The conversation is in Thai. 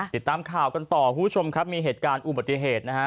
ติดตามข่าวกันต่อคุณผู้ชมครับมีเหตุการณ์อุบัติเหตุนะฮะ